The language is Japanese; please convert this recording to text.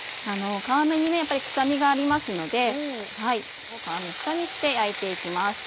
皮目に臭みがありますので下にして焼いて行きます。